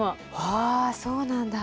あそうなんだ。